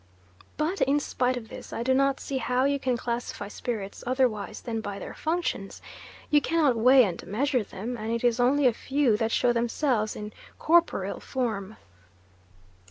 But in spite of this I do not see how you can classify spirits otherwise than by their functions; you cannot weigh and measure them, and it is only a few that show themselves in corporeal form.